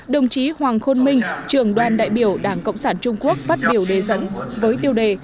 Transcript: đồng chí hoàng khôn minh trường đoàn đại biểu đảng cộng sản trung quốc phát biểu đề dẫn với tiêu đề